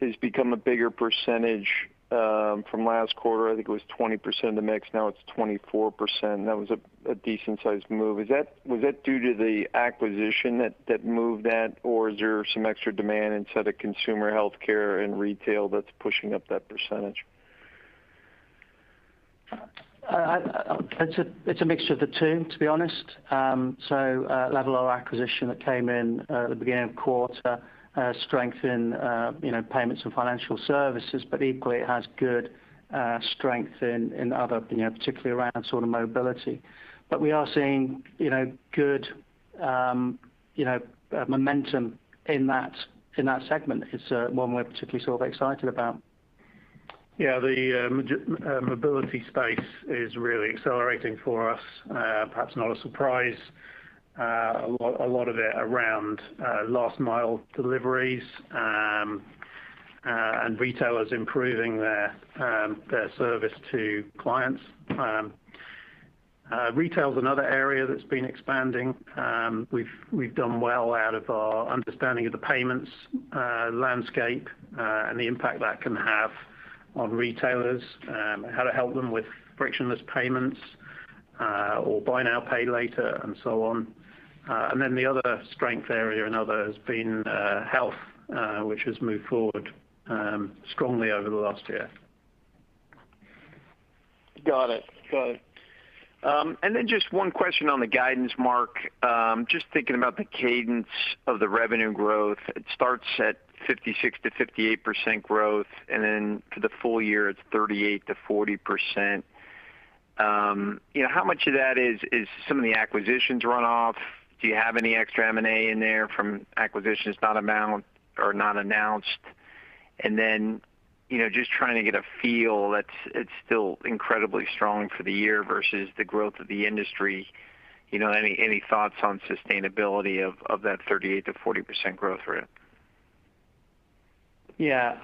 has become a bigger percentage from last quarter. I think it was 20% of the mix, now it's 24%. That was a decent-sized move. Was that due to the acquisition that moved that, or is there some extra demand inside of consumer healthcare and retail that's pushing up that percentage? It's a mixture of the two, to be honest. Levvel acquisition that came in at the beginning of quarter strengthened payments and financial services, but equally it has good strength in other, particularly around sort of mobility. We are seeing good momentum in that segment. It's one we're particularly sort of excited about. The mobility space is really accelerating for us. Perhaps not a surprise. A lot of it around last mile deliveries, and retailers improving their service to clients. Retail is another area that's been expanding. We've done well out of our understanding of the payments landscape, and the impact that can have on retailers, how to help them with frictionless payments, or buy now, pay later, and so on. The other strength area in other has been health, which has moved forward strongly over the last year. Got it. Just one question on the guidance, Mark. Just thinking about the cadence of the revenue growth. It starts at 56%-58% growth, and then for the full year, it's 38%-40%. How much of that is some of the acquisitions run off? Do you have any extra M&A in there from acquisitions not amount or not announced? Just trying to get a feel that it's still incredibly strong for the year versus the growth of the industry. Any thoughts on sustainability of that 38%-40% growth rate? Yeah.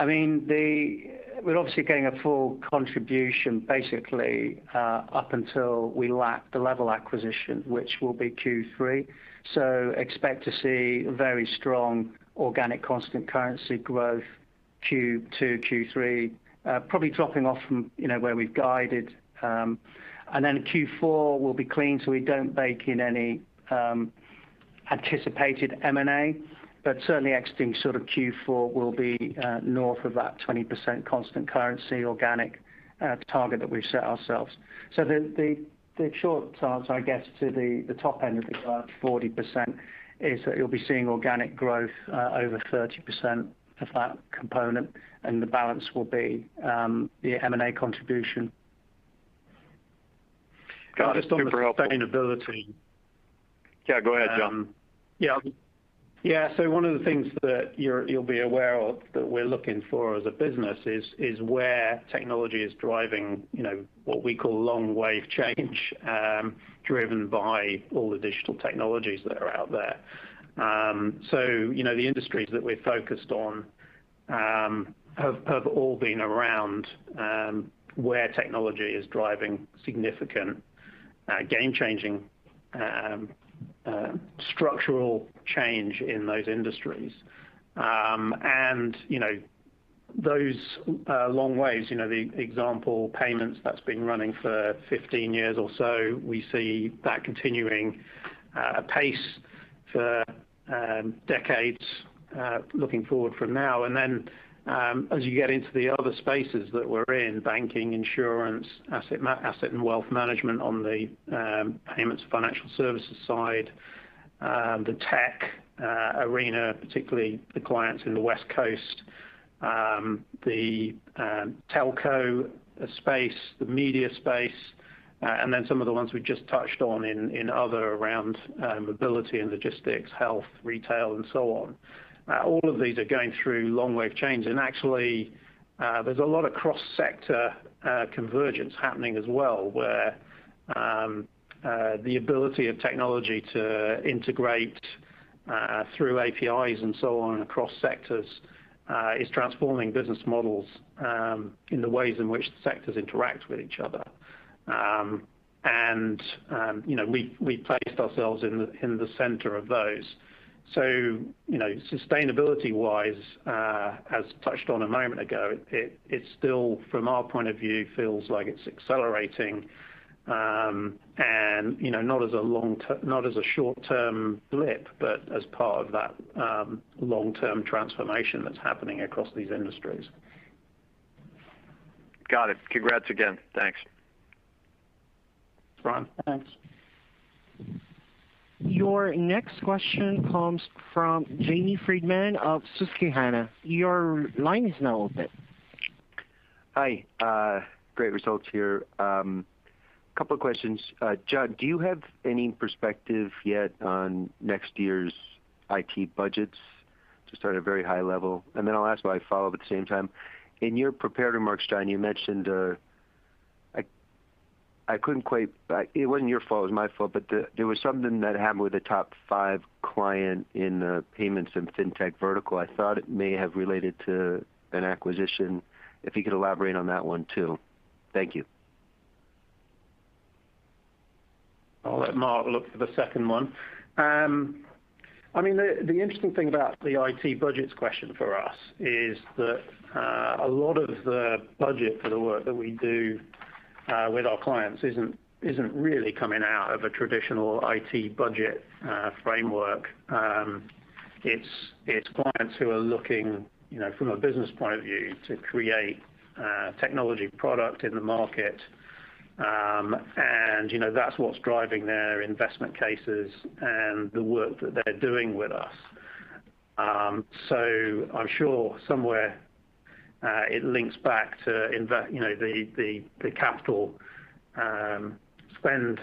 We're obviously getting a full contribution basically up until we lap the Levvel acquisition, which will be Q3. Expect to see very strong organic constant currency growth Q2, Q3, probably dropping off from where we've guided. Q4 will be clean, so we don't bake in any anticipated M&A, but certainly exiting sort of Q4 will be north of that 20% constant currency organic target that we've set ourselves. The short answer, I guess, to the top end of the guide, 40%, is that you'll be seeing organic growth over 30% of that component, and the balance will be the M&A contribution. Got it. Super helpful. Just on the sustainability. Yeah, go ahead, John. Yeah. One of the things that you'll be aware of that we're looking for as a business is where technology is driving what we call long wave change, driven by all the digital technologies that are out there. The industries that we're focused on have all been around where technology is driving significant game-changing structural change in those industries. Those long waves, the example, payments, that's been running for 15 years or so, we see that continuing at pace for decades looking forward from now. Then as you get into the other spaces that we're in, banking, insurance, asset and wealth management on the payments and financial services side, the tech arena, particularly the clients in the West Coast, the telco space, the media space, and then some of the ones we've just touched on in other around mobility and logistics, health, retail, and so on. All of these are going through long wave change. Actually, there's a lot of cross-sector convergence happening as well, where the ability of technology to integrate through APIs and so on across sectors is transforming business models in the ways in which the sectors interact with each other. We placed ourselves in the center of those. Sustainability wise, as touched on a moment ago, it still, from our point of view, feels like it's accelerating, and not as a short-term blip, but as part of that long-term transformation that's happening across these industries. Got it. Congrats again. Thanks. Thanks. Your next question comes from James Friedman of Susquehanna. Your line is now open. Hi. Great results here. Couple of questions. Judd, do you have any perspective yet on next year's IT budgets to start at very high level? Then I'll ask my follow-up at the same time. In your prepared remarks, John, you mentioned I couldn't quite It wasn't your fault, it was my fault, but there was something that happened with the top five client in the payments and fintech vertical. I thought it may have related to an acquisition, if you could elaborate on that one, too. Thank you. I'll let Mark look for the second one. The interesting thing about the IT budgets question for us is that a lot of the budget for the work that we do with our clients isn't really coming out of a traditional IT budget framework. It's clients who are looking, from a business point of view, to create a technology product in the market, and that's what's driving their investment cases and the work that they're doing with us. I'm sure somewhere it links back to the capital spend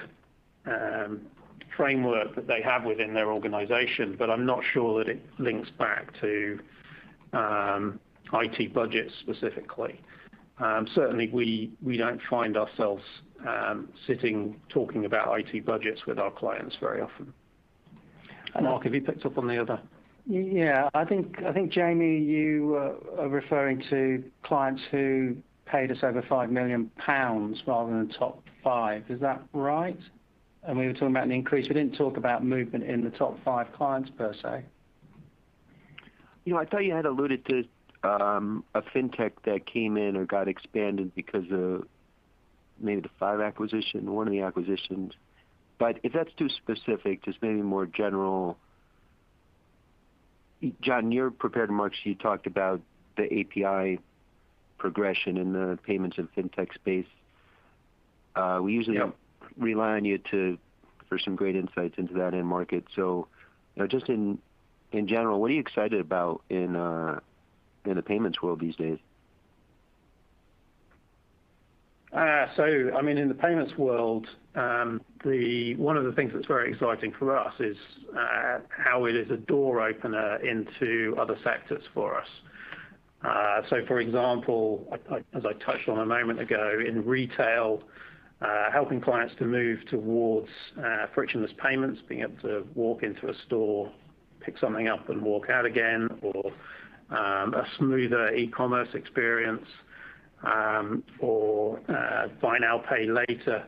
framework that they have within their organization, but I'm not sure that it links back to IT budgets specifically. Certainly, we don't find ourselves sitting talking about IT budgets with our clients very often. Mark, have you picked up on the other? Yeah. I think, James, you are referring to clients who paid us over 5 million pounds rather than top five. Is that right? We were talking about an increase. We didn't talk about movement in the top five clients, per se. I thought you had alluded to a fintech that came in or got expanded because of maybe the FIVE acquisition or one of the acquisitions. If that's too specific, just maybe more general. John, in your prepared remarks, you talked about the API progression in the payments and fintech space. Yep. We usually rely on you for some great insights into that end market. Just in general, what are you excited about in the payments world these days? In the payments world, one of the things that's very exciting for us is how it is a door opener into other sectors for us. For example, as I touched on a moment ago, in retail, helping clients to move towards frictionless payments, being able to walk into a store, pick something up, and walk out again, or a smoother e-commerce experience, or buy now, pay later.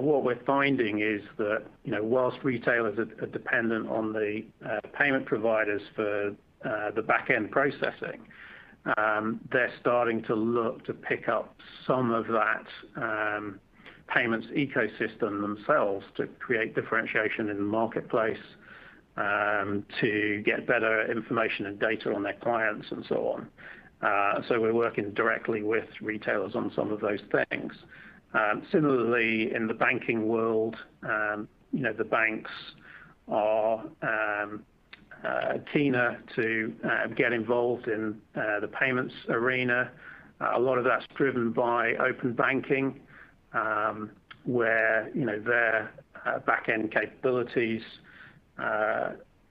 What we're finding is that whilst retailers are dependent on the payment providers for the back-end processing, they're starting to look to pick up some of that payments ecosystem themselves to create differentiation in the marketplace, to get better information and data on their clients and so on. We're working directly with retailers on some of those things. Similarly, in the banking world, the banks are keener to get involved in the payments arena. A lot of that's driven by open banking, where their back-end capabilities,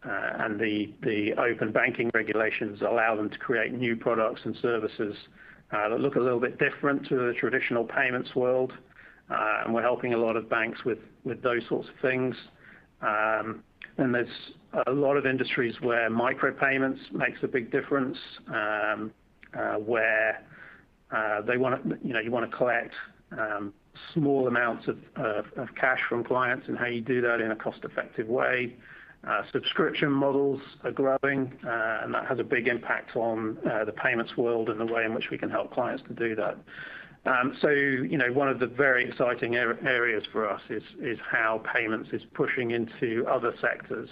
and the open banking regulations allow them to create new products and services that look a little bit different to the traditional payments world. We're helping a lot of banks with those sorts of things. There's a lot of industries where micropayments makes a big difference, where you want to collect small amounts of cash from clients and how you do that in a cost-effective way. Subscription models are growing, and that has a big impact on the payments world and the way in which we can help clients to do that. One of the very exciting areas for us is how payments is pushing into other sectors,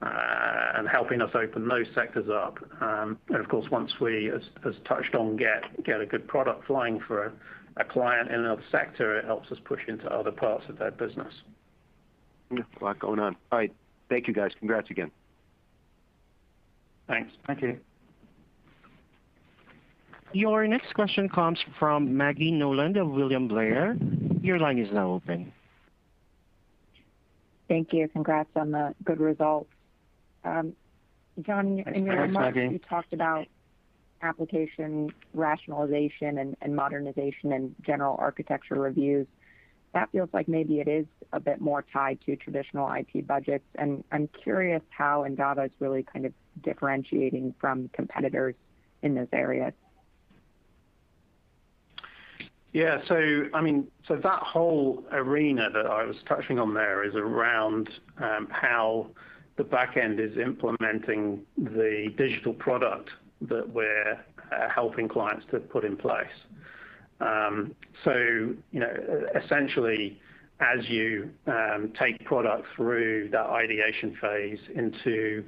and helping us open those sectors up. Of course, once we, as touched on, get a good product flying for a client in another sector, it helps us push into other parts of their business. Yeah. A lot going on. All right. Thank you, guys. Congrats again. Thanks. Thank you. Your next question comes from Maggie Nolan of William Blair. Your line is now open. Thank you. Congrats on the good results. John. Thanks, Maggie. In your remarks, you talked about application rationalization and modernization and general architecture reviews. That feels like maybe it is a bit more tied to traditional IT budgets, and I'm curious how Endava is really kind of differentiating from competitors in those areas. Yeah. That whole arena that I was touching on there is around how the back end is implementing the digital product that we're helping clients to put in place. Essentially, as you take product through that ideation phase into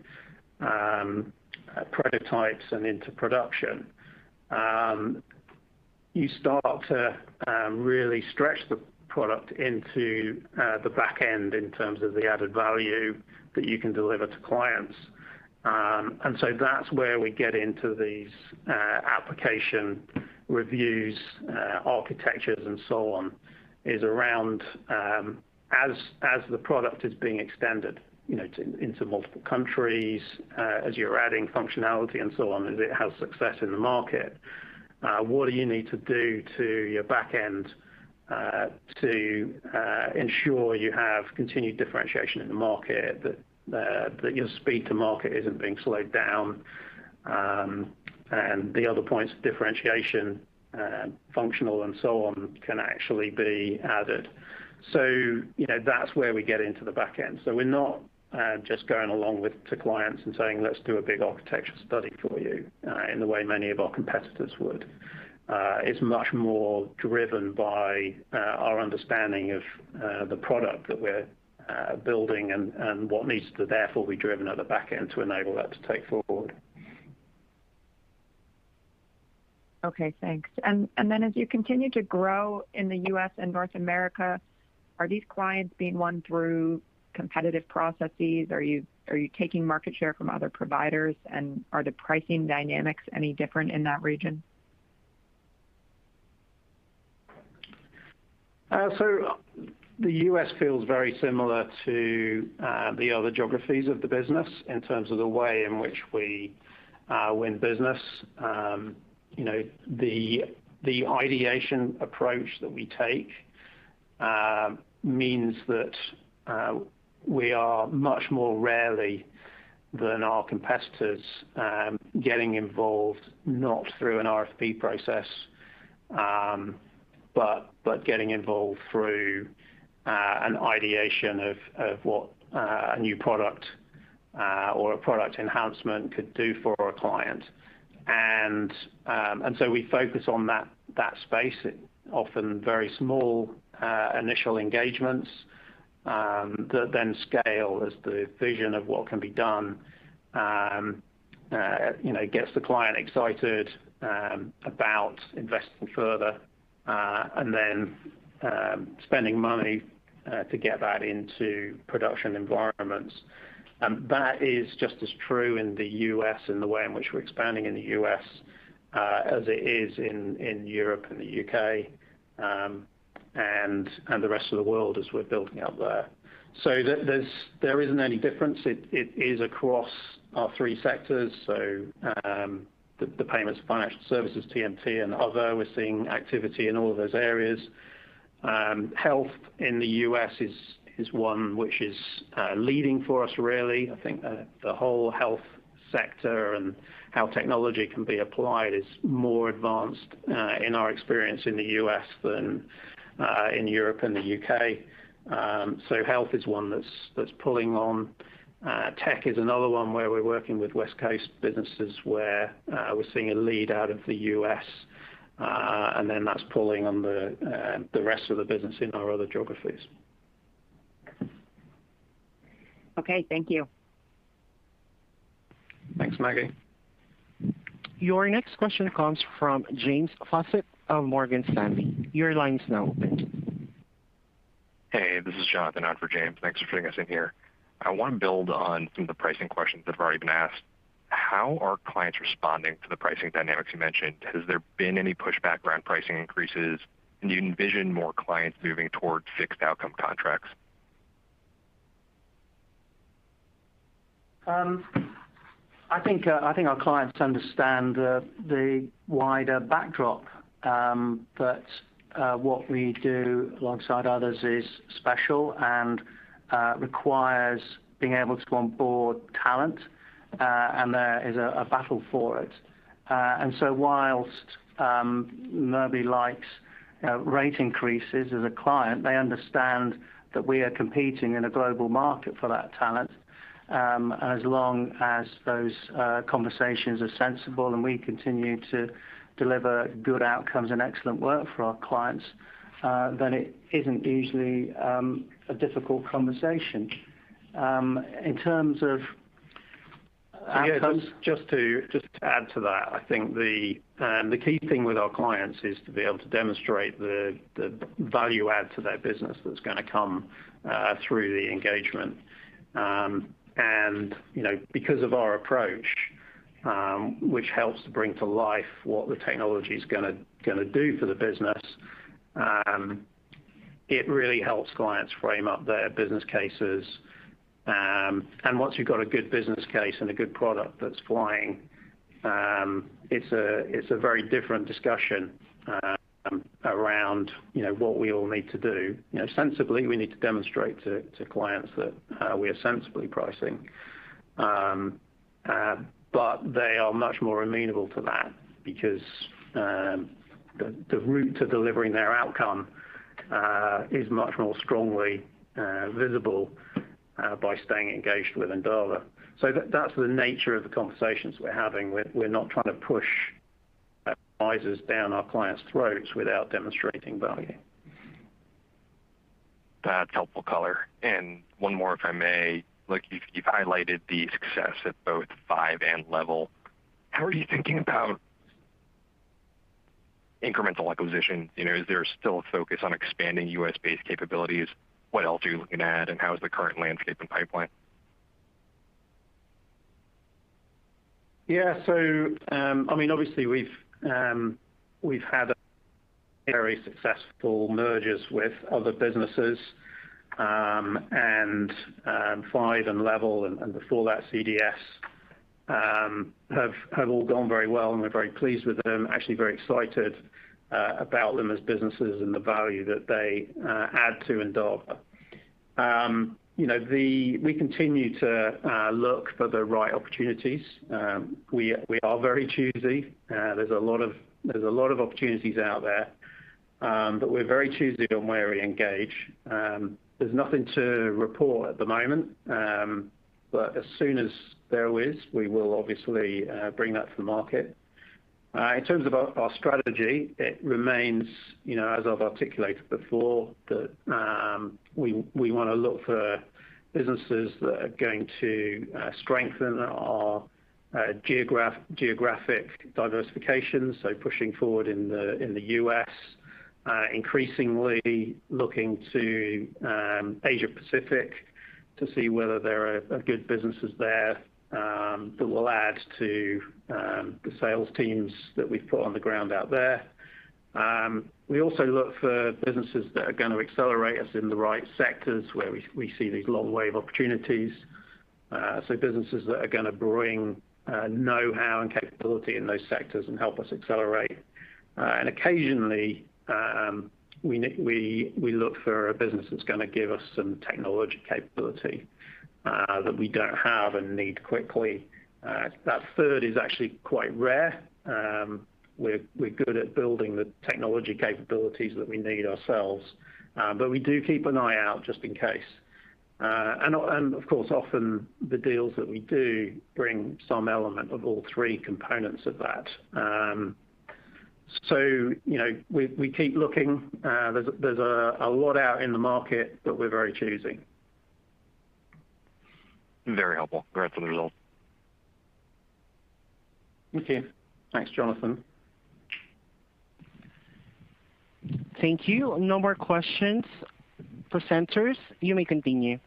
prototypes and into production, you start to really stretch the product into the back end in terms of the added value that you can deliver to clients. That's where we get into these application reviews, architectures and so on, is around as the product is being extended into multiple countries, as you're adding functionality and so on, as it has success in the market. What do you need to do to your back end to ensure you have continued differentiation in the market, that your speed to market isn't being slowed down, and the other points of differentiation, functional and so on, can actually be added. That's where we get into the back end. We're not just going along to clients and saying, "Let's do a big architecture study for you," in the way many of our competitors would. It's much more driven by our understanding of the product that we're building and what needs to therefore be driven at the back end to enable that to take forward. Okay, thanks. As you continue to grow in the U.S. and North America, are these clients being won through competitive processes? Are you taking market share from other providers? Are the pricing dynamics any different in that region? The U.S. feels very similar to the other geographies of the business in terms of the way in which we win business. The ideation approach that we take means that we are much more rarely than our competitors getting involved not through an RFP process, but getting involved through an ideation of what a new product or a product enhancement could do for a client. We focus on that space, often very small initial engagements, that then scale as the vision of what can be done gets the client excited about investing further, and then spending money to get that into production environments. That is just as true in the U.S. and the way in which we're expanding in the U.S., as it is in Europe and the U.K. and the rest of the world as we're building out there. There isn't any difference. It is across our three sectors. The payments, financial services, TMT, and other, we're seeing activity in all of those areas. Health in the U.S. is one which is leading for us, really. I think the whole health sector and how technology can be applied is more advanced in our experience in the U.S. than in Europe and the U.K. Health is one that's pulling on. Tech is another one where we're working with West Coast businesses where we're seeing a lead out of the U.S., and then that's pulling on the rest of the business in our other geographies. Okay, thank you. Thanks, Maggie. Your next question comes from James Faucette of Morgan Stanley. Your line's now open. Hey, this is Jonathan on for James. Thanks for fitting us in here. I want to build on some of the pricing questions that have already been asked. How are clients responding to the pricing dynamics you mentioned? Has there been any pushback around pricing increases? Do you envision more clients moving towards fixed outcome contracts? I think our clients understand the wider backdrop, that what we do alongside others is special and requires being able to onboard talent, and there is a battle for it. Whilst nobody likes rate increases as a client, they understand that we are competing in a global market for that talent. As long as those conversations are sensible and we continue to deliver good outcomes and excellent work for our clients, then it isn't usually a difficult conversation. Just to add to that, I think the key thing with our clients is to be able to demonstrate the value add to their business that's going to come through the engagement. Because of our approach, which helps to bring to life what the technology's going to do for the business, it really helps clients frame up their business cases. Once you've got a good business case and a good product that's flying, it's a very different discussion around what we all need to do. Sensibly, we need to demonstrate to clients that we are sensibly pricing. They are much more amenable to that because the route to delivering their outcome is much more strongly visible by staying engaged with Endava. That's the nature of the conversations we're having. We're not trying to push prices down our clients' throats without demonstrating value. That's helpful color. One more, if I may. Look, you've highlighted the success at both FIVE and Levvel. How are you thinking about incremental acquisition? Is there still a focus on expanding U.S.-based capabilities? What else are you looking at, and how is the current landscape and pipeline? Obviously we've had very successful mergers with other businesses, and FIVE and Levvel and before that CDS, have all gone very well, and we're very pleased with them. Actually very excited about them as businesses and the value that they add to Endava. We continue to look for the right opportunities. We are very choosy. There's a lot of opportunities out there, but we're very choosy on where we engage. There's nothing to report at the moment. As soon as there is, we will obviously bring that to the market. In terms of our strategy, it remains, as I've articulated before, that we want to look for businesses that are going to strengthen our geographic diversification, so pushing forward in the U.S., increasingly looking to Asia-Pacific to see whether there are good businesses there that will add to the sales teams that we've put on the ground out there. We also look for businesses that are going to accelerate us in the right sectors, where we see these long wave opportunities. Businesses that are going to bring knowhow and capability in those sectors and help us accelerate. Occasionally, we look for a business that's going to give us some technology capability that we don't have and need quickly. That third is actually quite rare. We're good at building the technology capabilities that we need ourselves. We do keep an eye out just in case. Of course, often the deals that we do bring some element of all three components of that. We keep looking. There's a lot out in the market, but we're very choosy. Very helpful. Great to hear those. Okay. Thanks, Jonathan. Thank you. No more questions. Presenters, you may continue.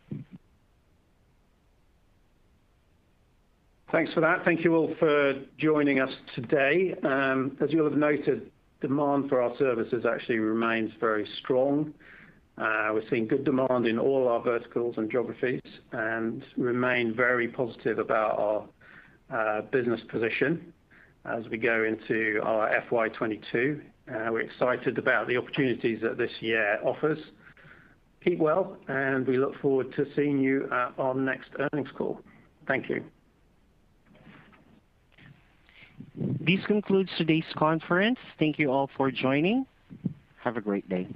Thanks for that. Thank you all for joining us today. As you'll have noted, demand for our services actually remains very strong. We're seeing good demand in all our verticals and geographies and remain very positive about our business position as we go into our FY 2022. We're excited about the opportunities that this year offers. Keep well, and we look forward to seeing you at our next earnings call. Thank you. This concludes today's conference. Thank you all for joining. Have a great day.